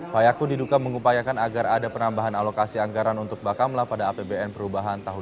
fayakun diduka mengupayakan agar ada penambahan alokasi anggaran untuk bakamla pada apbn perubahan tahun dua ribu enam belas